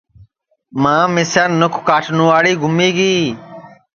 ماں مِسیں نُکھ کاٹٹؔواڑی گُمی گی